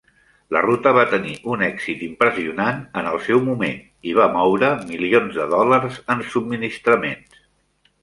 La ruta va tenir un èxit impressionant en el seu moment, i va moure milions de dòlars en subministraments.